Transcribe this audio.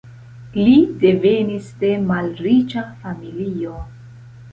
Li devenis de malriĉa familio.